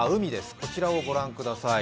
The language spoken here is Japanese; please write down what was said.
こちらを御覧ください。